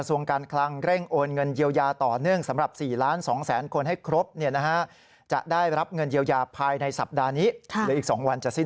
๒วันจะสิ้นสุดสัปดาห์แล้วนะฮะ